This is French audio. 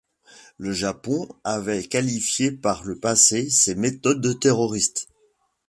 Le Japon avait qualifié par le passé ses méthodes de terroristes.